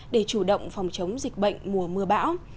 để chủ động phòng chống dịch bệnh mùa mưa bão